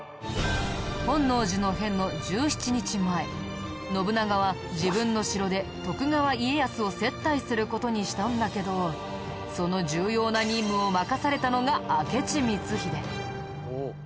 本能寺の変の１７日前信長は自分の城で徳川家康を接待する事にしたんだけどその重要な任務を任されたのが明智光秀。